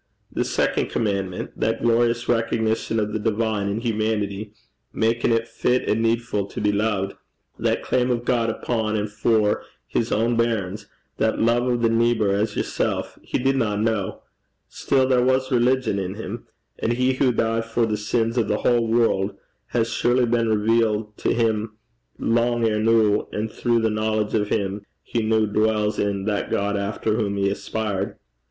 The second comman'ment that glorious recognition o' the divine in humanity makin' 't fit and needfu' to be loved, that claim o' God upon and for his ain bairns, that love o' the neebour as yer'sel he didna ken. Still there was religion in him; and he who died for the sins o' the whole world has surely been revealed to him lang er' noo, and throu the knowledge o' him, he noo dwalls in that God efter whom he aspired.'